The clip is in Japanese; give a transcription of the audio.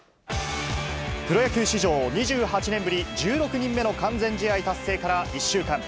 プロ野球史上２８年ぶり、１６人目の完全試合達成から、１週間。